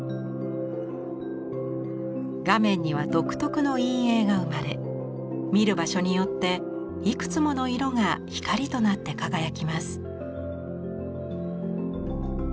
画面には独特の陰影が生まれ見る場所によっていくつもの色が光となって輝きます。